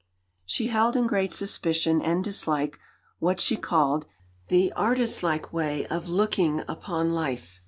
She held in great suspicion and dislike what she called the "artist like way of looking upon life."